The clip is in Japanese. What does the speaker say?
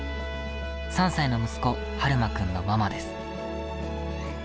３歳の息子、晴眞君のママです。